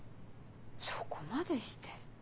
そこまでして。